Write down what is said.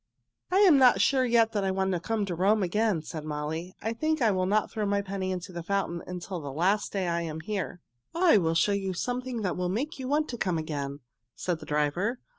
"I am not sure yet that I want to come to Rome again," said Molly. "I think I will not throw my penny into the fountain until the last day I am here." "I will show you something that will make you want to come again," said the driver.